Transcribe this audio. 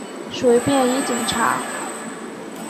属于便衣警察。